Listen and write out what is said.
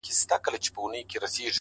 ما په لفظو کي بند پر بند ونغاړه;